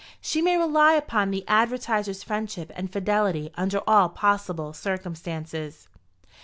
She may rely upon the advertiser's friendship and fidelity under all possible circumstances."